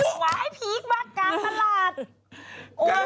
หวายปีกมากการตลาด